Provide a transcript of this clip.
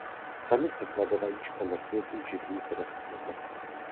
Samice klade vajíčka na květy živných rostlin.